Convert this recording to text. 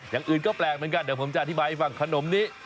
อย่างอื่นก็แปลกเหมือนกันเดี๋ยวผมจะอธิบายให้ฟังขนมนี้